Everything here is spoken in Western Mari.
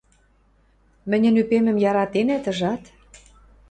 — Мӹньӹн ӱпемӹм яратенӓт, ыжат?